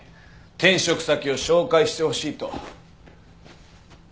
転職先を紹介してほしいと。